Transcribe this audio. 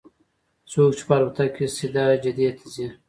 څوک چې په الوتکه کې سیده جدې ته ځي.